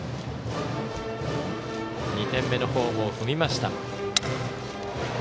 ２点目のホームを踏みました。